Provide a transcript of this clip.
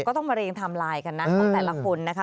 ก็ต้องมาเรียงไทม์ไลน์กันนะของแต่ละคนนะคะ